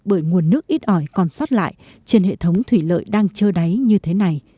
bởi nguồn nước ít ỏi còn sót lại trên hệ thống thủy lợi đang chơ đáy như thế này